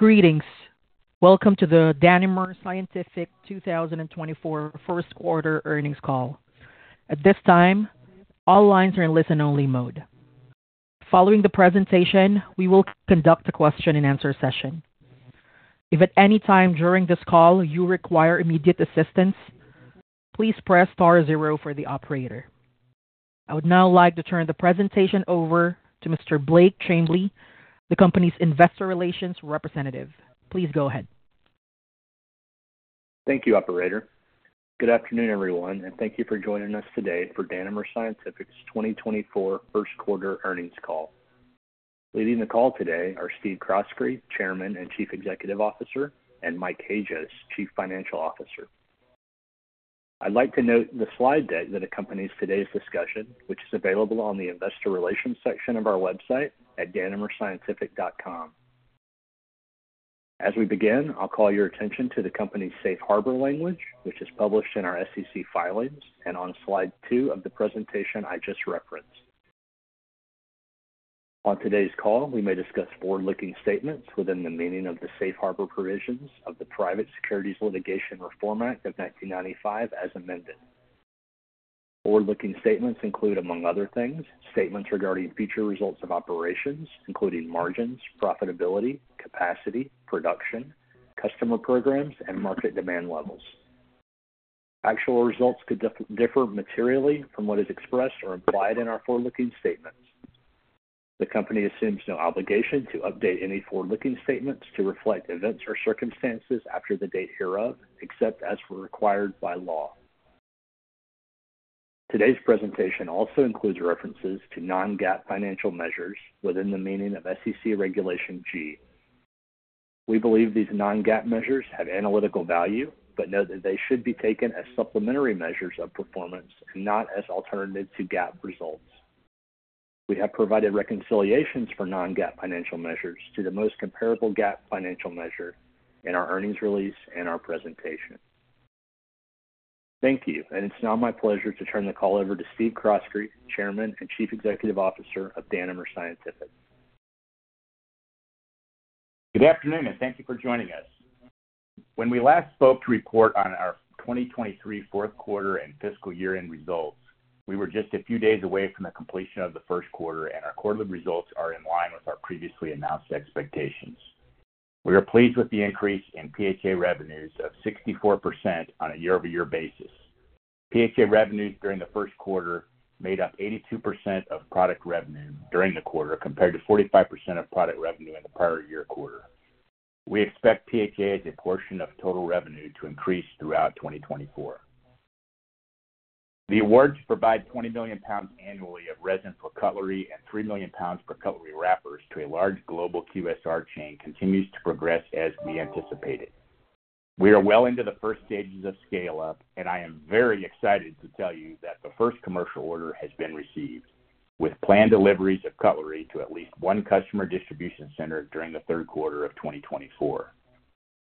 Greetings. Welcome to the Danimer Scientific 2024 first quarter earnings call. At this time, all lines are in listen-only mode. Following the presentation, we will conduct a question-and-answer session. If at any time during this call you require immediate assistance, please press star 0 for the operator. I would now like to turn the presentation over to Mr. Blake Bimson, the company's investor relations representative. Please go ahead. Thank you, operator. Good afternoon, everyone, and thank you for joining us today for Danimer Scientific's 2024 first quarter earnings call. Leading the call today are Steve Croskrey, Chairman and Chief Executive Officer, and Mike Hajost, Chief Financial Officer. I'd like to note the slide deck that accompanies today's discussion, which is available on the investor relations section of our website at danimerscientific.com. As we begin, I'll call your attention to the company's Safe Harbor language, which is published in our SEC filings and on slide 2 of the presentation I just referenced. On today's call, we may discuss forward-looking statements within the meaning of the Safe Harbor provisions of the Private Securities Litigation Reform Act of 1995 as amended. Forward-looking statements include, among other things, statements regarding future results of operations, including margins, profitability, capacity, production, customer programs, and market demand levels. Actual results could differ materially from what is expressed or implied in our forward-looking statements. The company assumes no obligation to update any forward-looking statements to reflect events or circumstances after the date hereof, except as required by law. Today's presentation also includes references to non-GAAP financial measures within the meaning of SEC Regulation G. We believe these non-GAAP measures have analytical value but know that they should be taken as supplementary measures of performance and not as alternatives to GAAP results. We have provided reconciliations for non-GAAP financial measures to the most comparable GAAP financial measure in our earnings release and our presentation. Thank you, and it's now my pleasure to turn the call over to Steve Croskrey, Chairman and Chief Executive Officer of Danimer Scientific. Good afternoon and thank you for joining us. When we last spoke to report on our 2023 fourth quarter and fiscal year-end results, we were just a few days away from the completion of the first quarter, and our quarterly results are in line with our previously announced expectations. We are pleased with the increase in PHA revenues of 64% on a year-over-year basis. PHA revenues during the first quarter made up 82% of product revenue during the quarter compared to 45% of product revenue in the prior year quarter. We expect PHA as a portion of total revenue to increase throughout 2024. The award to provide 20 million pounds annually of resin for cutlery and 3 million pounds per cutlery wrappers to a large global QSR chain continues to progress as we anticipated. We are well into the first stages of scale-up, and I am very excited to tell you that the first commercial order has been received, with planned deliveries of cutlery to at least one customer distribution center during the third quarter of 2024.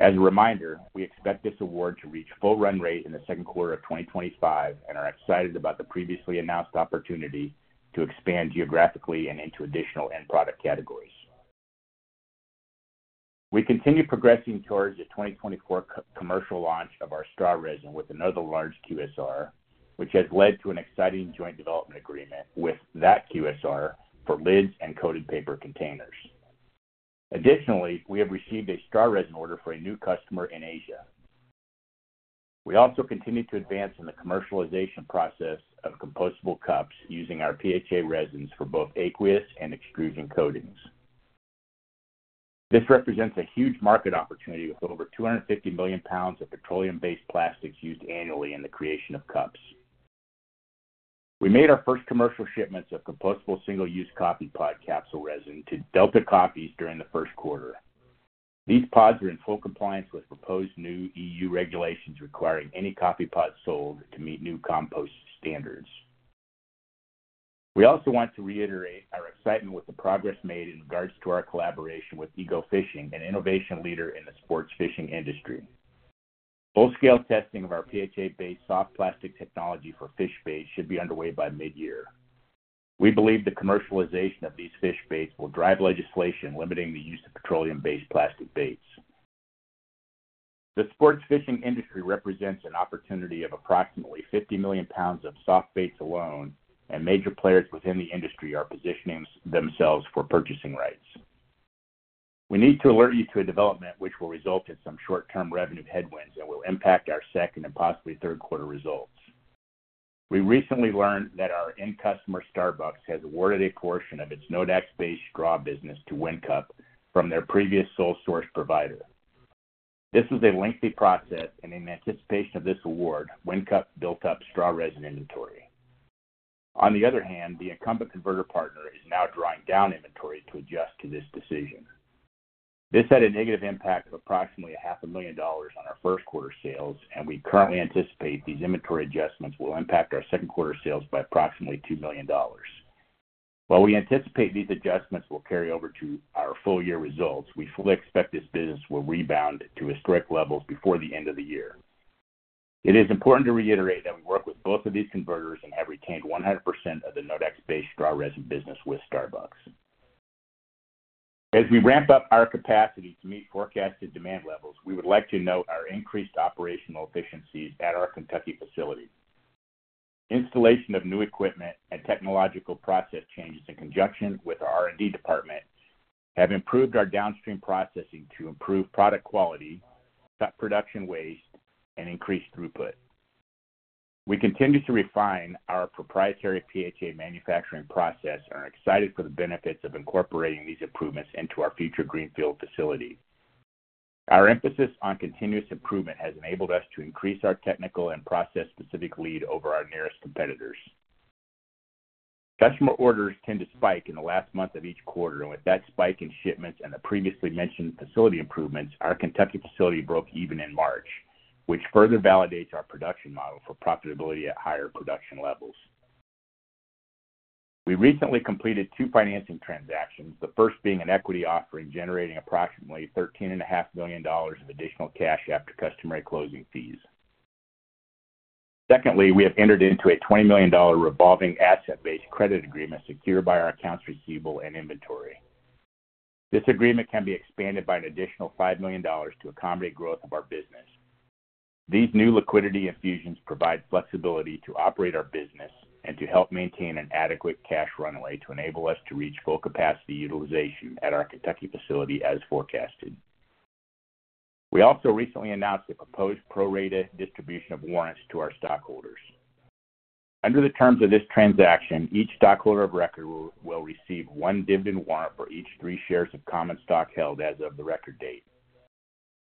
As a reminder, we expect this award to reach full run rate in the second quarter of 2025, and are excited about the previously announced opportunity to expand geographically and into additional end product categories. We continue progressing towards the 2024 commercial launch of our straw resin with another large QSR, which has led to an exciting joint development agreement with that QSR for lids and coated paper containers. Additionally, we have received a straw resin order for a new customer in Asia. We also continue to advance in the commercialization process of compostable cups using our PHA resins for both aqueous and extrusion coatings. This represents a huge market opportunity with over 250 million pounds of petroleum-based plastics used annually in the creation of cups. We made our first commercial shipments of compostable single-use coffee pod capsule resin to Delta Cafés during the first quarter. These pods were in full compliance with proposed new EU regulations requiring any coffee pods sold to meet new compost standards. We also want to reiterate our excitement with the progress made in regards to our collaboration with D.O.A. Fishing, an innovation leader in the sports fishing industry. Full-scale testing of our PHA-based soft plastic technology for fish baits should be underway by mid-year. We believe the commercialization of these fish baits will drive legislation limiting the use of petroleum-based plastic baits. The sports fishing industry represents an opportunity of approximately 50 million pounds of soft baits alone, and major players within the industry are positioning themselves for purchasing rights. We need to alert you to a development which will result in some short-term revenue headwinds and will impact our second and possibly third quarter results. We recently learned that our end customer Starbucks has awarded a portion of its Nodax-based straw business to WinCup from their previous sole source provider. This was a lengthy process, and in anticipation of this award, WinCup built up straw resin inventory. On the other hand, the incumbent converter partner is now drawing down inventory to adjust to this decision. This had a negative impact of approximately $500,000 on our first quarter sales, and we currently anticipate these inventory adjustments will impact our second quarter sales by approximately $2 million. While we anticipate these adjustments will carry over to our full-year results, we fully expect this business will rebound to historic levels before the end of the year. It is important to reiterate that we work with both of these converters and have retained 100% of the Nodax-based straw resin business with Starbucks. As we ramp up our capacity to meet forecasted demand levels, we would like to note our increased operational efficiencies at our Kentucky facility. Installation of new equipment and technological process changes in conjunction with our R&D department have improved our downstream processing to improve product quality, cut production waste, and increase throughput. We continue to refine our proprietary PHA manufacturing process and are excited for the benefits of incorporating these improvements into our future greenfield facility. Our emphasis on continuous improvement has enabled us to increase our technical and process-specific lead over our nearest competitors. Customer orders tend to spike in the last month of each quarter, and with that spike in shipments and the previously mentioned facility improvements, our Kentucky facility broke even in March, which further validates our production model for profitability at higher production levels. We recently completed two financing transactions, the first being an equity offering generating approximately $13.5 million of additional cash after customary closing fees. Secondly, we have entered into a $20 million revolving asset-based credit agreement secured by our accounts receivable and inventory. This agreement can be expanded by an additional $5 million to accommodate growth of our business. These new liquidity infusions provide flexibility to operate our business and to help maintain an adequate cash runway to enable us to reach full capacity utilization at our Kentucky facility as forecasted. We also recently announced a proposed pro rata distribution of warrants to our stockholders. Under the terms of this transaction, each stockholder of record will receive 1 dividend warrant for each 3 shares of common stock held as of the record date.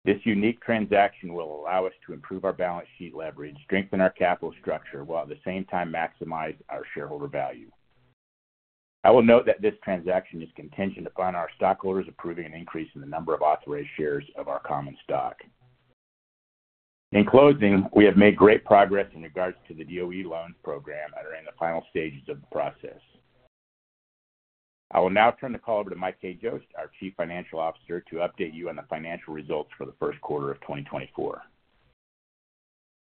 This unique transaction will allow us to improve our balance sheet leverage, strengthen our capital structure, while at the same time maximize our shareholder value. I will note that this transaction is contingent upon our stockholders approving an increase in the number of authorized shares of our common stock. In closing, we have made great progress in regards to the DOE loan program and are in the final stages of the process. I will now turn the call over to Mike Hajost, our Chief Financial Officer, to update you on the financial results for the first quarter of 2024.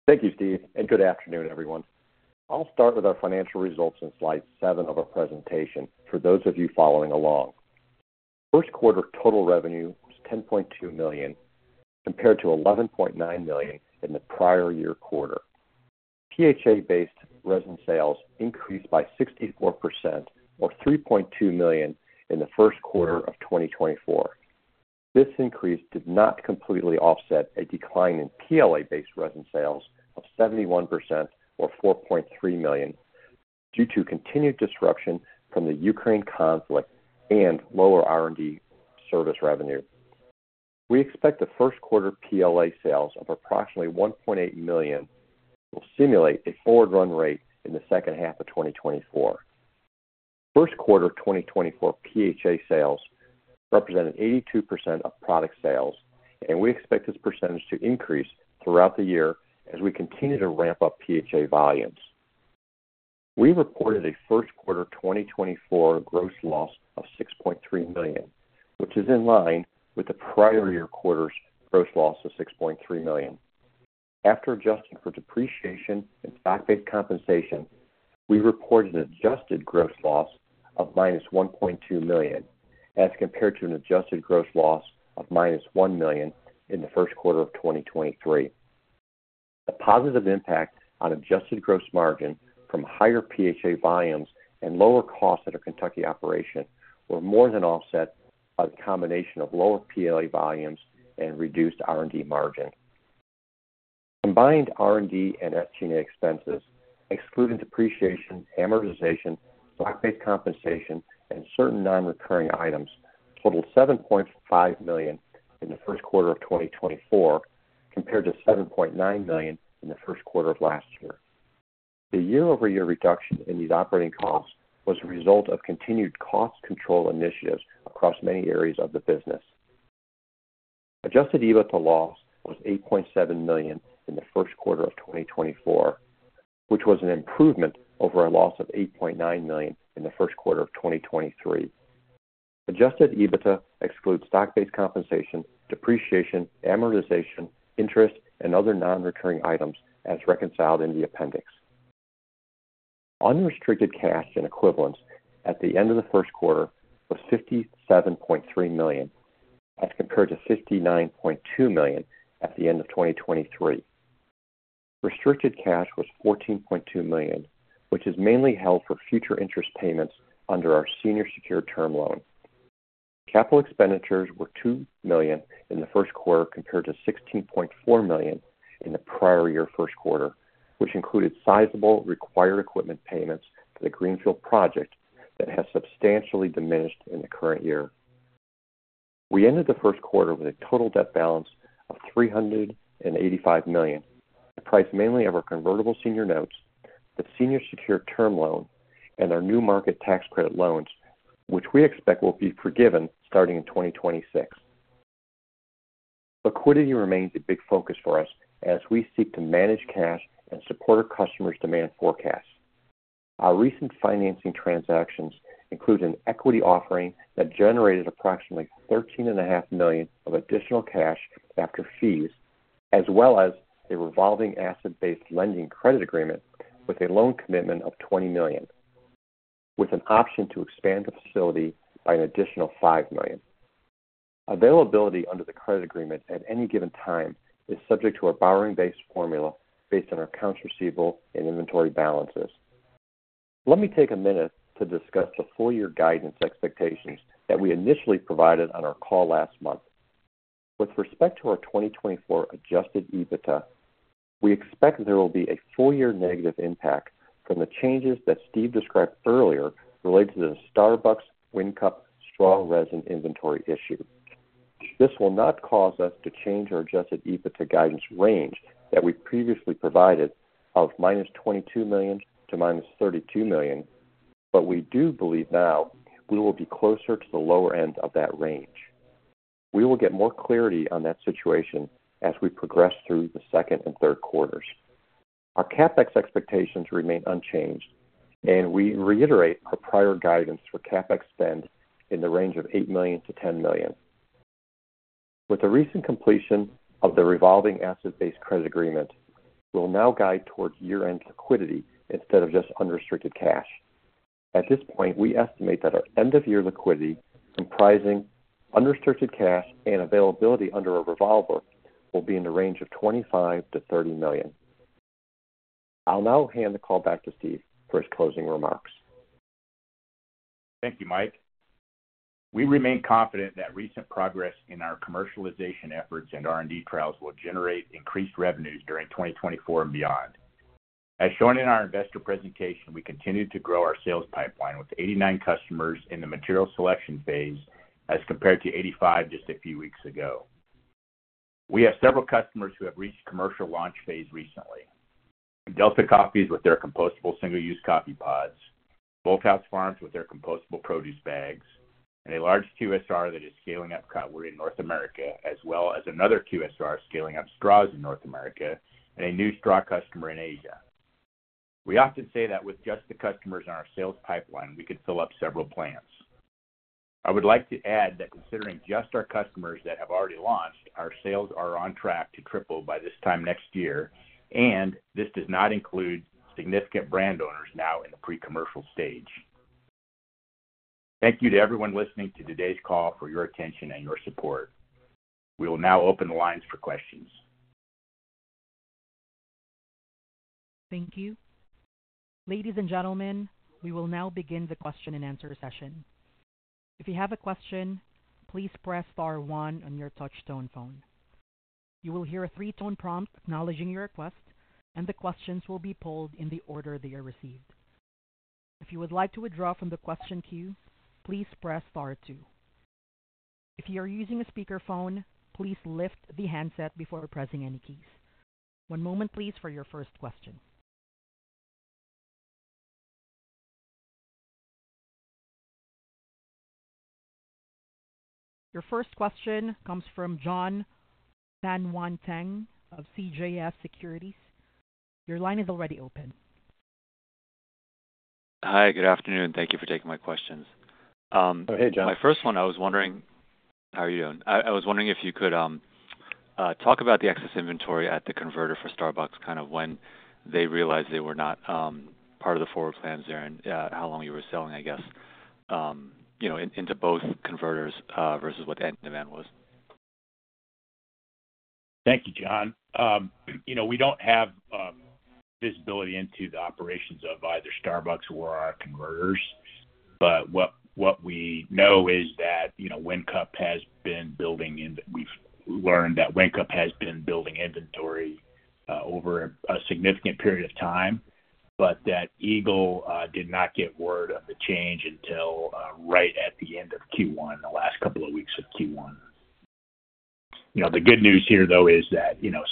Thank you, Steve, and good afternoon, everyone. I'll start with our financial results in Slide 7 of our presentation for those of you following along. First quarter total revenue was $10.2 million compared to $11.9 million in the prior year quarter. PHA-based resin sales increased by 64%, or $3.2 million, in the first quarter of 2024. This increase did not completely offset a decline in PLA-based resin sales of 71%, or $4.3 million, due to continued disruption from the Ukraine conflict and lower R&D service revenue. We expect the first quarter PLA sales of approximately $1.8 million will simulate a forward run rate in the second half of 2024. First quarter 2024 PHA sales represented 82% of product sales, and we expect this percentage to increase throughout the year as we continue to ramp up PHA volumes. We reported a first quarter 2024 gross loss of $6.3 million, which is in line with the prior year quarter's gross loss of $6.3 million. After adjusting for depreciation and stock-based compensation, we reported an adjusted gross loss of -$1.2 million as compared to an adjusted gross loss of -$1 million in the first quarter of 2023. The positive impact on adjusted gross margin from higher PHA volumes and lower costs at our Kentucky operation were more than offset by the combination of lower PLA volumes and reduced R&D margin. Combined R&D and estimated expenses, excluding depreciation, amortization, stock-based compensation, and certain non-recurring items, totaled $7.5 million in the first quarter of 2024 compared to $7.9 million in the first quarter of last year. The year-over-year reduction in these operating costs was a result of continued cost control initiatives across many areas of the business. Adjusted EBITDA loss was $8.7 million in the first quarter of 2024, which was an improvement over a loss of $8.9 million in the first quarter of 2023. Adjusted EBITDA excludes stock-based compensation, depreciation, amortization, interest, and other non-recurring items as reconciled in the appendix. Unrestricted cash and equivalents at the end of the first quarter was $57.3 million as compared to $59.2 million at the end of 2023. Restricted cash was $14.2 million, which is mainly held for future interest payments under our senior secured term loan. Capital expenditures were $2 million in the first quarter compared to $16.4 million in the prior year first quarter, which included sizable required equipment payments for the greenfield project that has substantially diminished in the current year. We ended the first quarter with a total debt balance of $385 million, the comprised mainly of our convertible senior notes, the senior secured term loan, and our New Markets Tax Credit loans, which we expect will be forgiven starting in 2026. Liquidity remains a big focus for us as we seek to manage cash and support our customers' demand forecasts. Our recent financing transactions include an equity offering that generated approximately $13.5 million of additional cash after fees, as well as a revolving asset-based lending credit agreement with a loan commitment of $20 million, with an option to expand the facility by an additional $5 million. Availability under the credit agreement at any given time is subject to our borrowing base formula based on our accounts receivable and inventory balances. Let me take a minute to discuss the full-year guidance expectations that we initially provided on our call last month. With respect to our 2024 adjusted EBITDA, we expect there will be a full-year negative impact from the changes that Steve described earlier related to the Starbucks WinCup straw resin inventory issue. This will not cause us to change our adjusted EBITDA guidance range that we previously provided of -$22 million to -$32 million, but we do believe now we will be closer to the lower end of that range. We will get more clarity on that situation as we progress through the second and third quarters. Our CapEx expectations remain unchanged, and we reiterate our prior guidance for CapEx spend in the range of $8 million-$10 million. With the recent completion of the revolving asset-based credit agreement, we'll now guide towards year-end liquidity instead of just unrestricted cash. At this point, we estimate that our end-of-year liquidity comprising unrestricted cash and availability under a revolver will be in the range of $25 million-$30 million. I'll now hand the call back to Steve for his closing remarks. Thank you, Mike. We remain confident that recent progress in our commercialization efforts and R&D trials will generate increased revenues during 2024 and beyond. As shown in our investor presentation, we continue to grow our sales pipeline with 89 customers in the material selection phase as compared to 85 just a few weeks ago. We have several customers who have reached commercial launch phase recently: Delta Cafés with their compostable single-use coffee pods, Bolthouse Farms with their compostable produce bags, and a large QSR that is scaling up coating in North America, as well as another QSR scaling up straws in North America and a new straw customer in Asia. We often say that with just the customers on our sales pipeline, we could fill up several plants. I would like to add that considering just our customers that have already launched, our sales are on track to triple by this time next year, and this does not include significant brand owners now in the pre-commercial stage. Thank you to everyone listening to today's call for your attention and your support. We will now open the lines for questions. Thank you. Ladies and gentlemen, we will now begin the question-and-answer session. If you have a question, please press star 1 on your touch-tone phone. You will hear a three-tone prompt acknowledging your request, and the questions will be pulled in the order they are received. If you would like to withdraw from the question queue, please press star 2. If you are using a speakerphone, please lift the handset before pressing any keys. One moment, please, for your first question. Your first question comes from Jon Tanwanteng of CJS Securities. Your line is already open. Hi, good afternoon. Thank you for taking my questions. Oh, hey, John. My first one, I was wondering how are you doing? I was wondering if you could talk about the excess inventory at the converter for Starbucks, kind of when they realized they were not part of the forward plans there and how long you were selling, I guess, you know, into both converters, versus what the end demand was. Thank you, Jon. You know, we don't have visibility into the operations of either Starbucks or our converters, but what we know is that, you know, WinCup has been building, and we've learned that WinCup has been building inventory over a significant period of time, but that we did not get word of the change until right at the end of Q1, the last couple of weeks of Q1. You know, the good news here, though, is that, you know,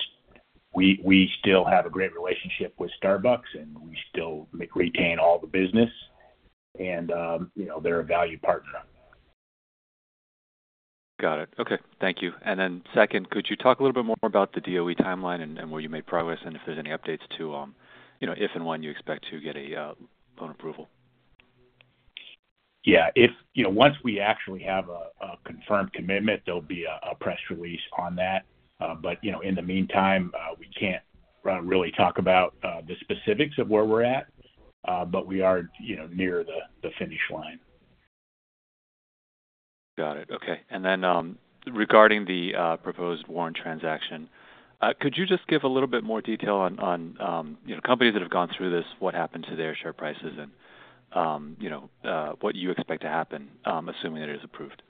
we still have a great relationship with Starbucks, and we still retain all the business, and, you know, they're a value partner. Got it. Okay. Thank you. And then second, could you talk a little bit more about the DOE timeline and where you made progress and if there's any updates to, you know, if and when you expect to get a, loan approval? Yeah. If you know, once we actually have a confirmed commitment, there'll be a press release on that. But you know, in the meantime, we can't really talk about the specifics of where we're at, but we are you know, near the finish line. Got it. Okay. And then, regarding the proposed warrant transaction, could you just give a little bit more detail on, you know, companies that have gone through this, what happened to their share prices, and, you know, what you expect to happen, assuming that it is approved?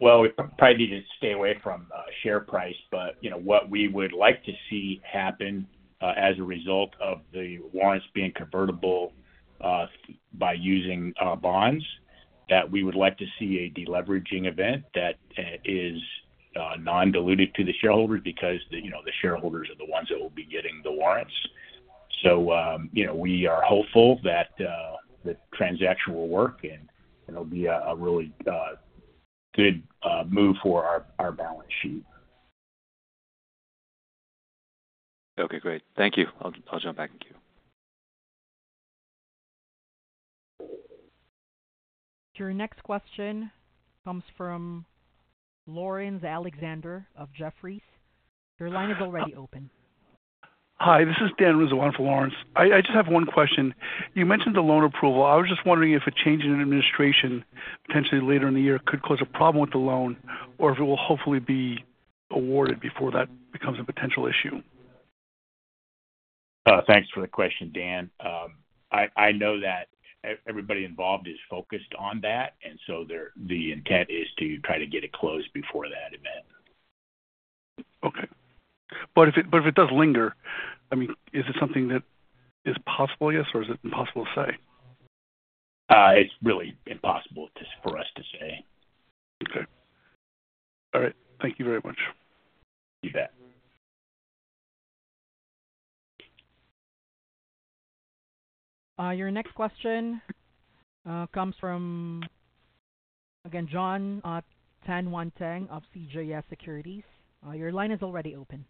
Well, we probably need to stay away from share price, but you know, what we would like to see happen as a result of the warrants being convertible by using bonds, that we would like to see a deleveraging event that is non-dilutive to the shareholders because, you know, the shareholders are the ones that will be getting the warrants. So, you know, we are hopeful that the transaction will work, and it'll be a really good move for our balance sheet. Okay. Great. Thank you. I'll jump back and queue. Your next question comes from Lawrence Alexander of Jefferies. Your line is already open. Hi, this is Dan Rizzo for Lawrence. I just have one question. You mentioned the loan approval. I was just wondering if a change in administration, potentially later in the year, could cause a problem with the loan or if it will hopefully be awarded before that becomes a potential issue. Thanks for the question, Dan. I know that everybody involved is focused on that, and so the intent is to try to get it closed before that event. Okay. But if it does linger, I mean, is it something that is possible, I guess, or is it impossible to say? It's really impossible for us to say. Okay. All right. Thank you very much. You bet. Your next question comes from, again, Jon Tanwanteng of CJS Securities. Your line is already open.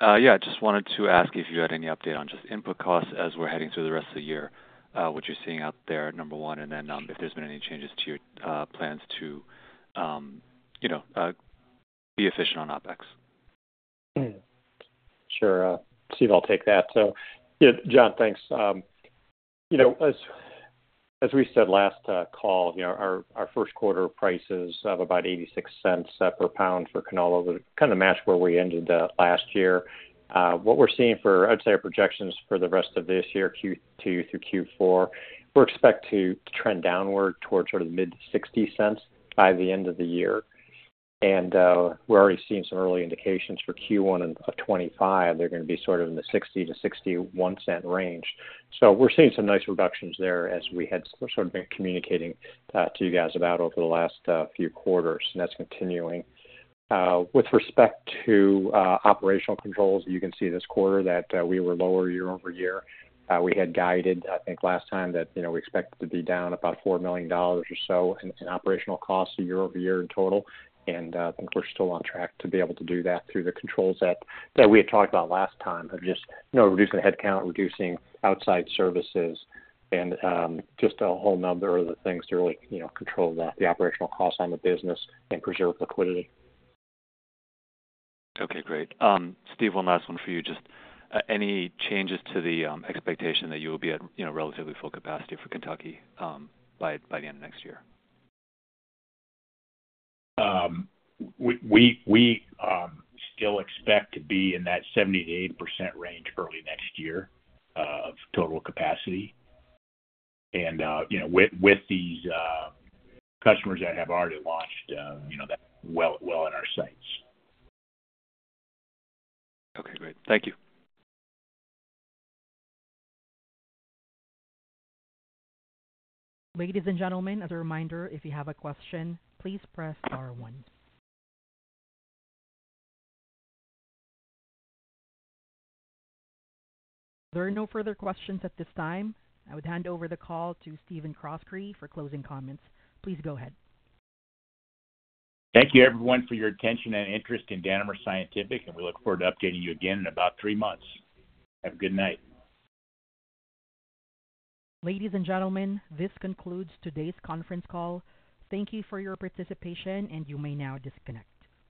Yeah. I just wanted to ask if you had any update on just input costs as we're heading through the rest of the year, what you're seeing out there, number one, and then if there's been any changes to your plans to, you know, be efficient on OpEx? Sure. Steve, I'll take that. So, yeah, John, thanks. You know, as we said last call, our first quarter prices of about $0.86 per pound for canola kind of match where we ended last year. What we're seeing for, I'd say, our projections for the rest of this year, Q2 through Q4, we expect to trend downward towards sort of the mid-$0.60 by the end of the year. And we're already seeing some early indications for Q1 of 2025, they're going to be sort of in the $0.60-$0.61 range. So we're seeing some nice reductions there as we had sort of been communicating to you guys about over the last few quarters, and that's continuing. With respect to operational controls, you can see this quarter that we were lower year-over-year. We had guided, I think last time, that we expected to be down about $4 million or so in operational costs year-over-year in total, and I think we're still on track to be able to do that through the controls that we had talked about last time of just reducing headcount, reducing outside services, and just a whole number of other things to really control the operational costs on the business and preserve liquidity. Okay. Great. Steve, one last one for you, just any changes to the expectation that you will be at relatively full capacity for Kentucky by the end of next year? We still expect to be in that 70%-80% range early next year of total capacity, and with these customers that have already launched, you know, well in our sights. Okay. Great. Thank you. Ladies and gentlemen, as a reminder, if you have a question, please press star 1. There are no further questions at this time. I would hand over the call to Steve Croskrey for closing comments. Please go ahead. Thank you, everyone, for your attention and interest in Danimer Scientific, and we look forward to updating you again in about three months. Have a good night. Ladies and gentlemen, this concludes today's conference call. Thank you for your participation, and you may now disconnect.